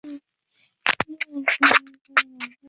线纹原缨口鳅为平鳍鳅科原缨口鳅属的鱼类。